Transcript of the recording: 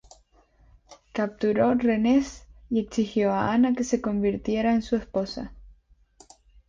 Capturó Rennes y exigió a Ana que se convirtiera en su esposa.